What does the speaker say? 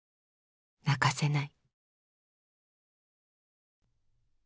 泣かせない」。